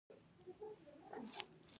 میرزا الغ بېګ له یوسفزیو سره ناځواني وکړه.